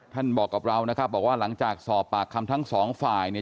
บอกกับเรานะครับบอกว่าหลังจากสอบปากคำทั้งสองฝ่ายเนี่ย